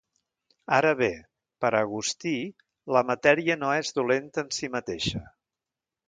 Ara bé, per a Agustí, la matèria no és dolenta en si mateixa.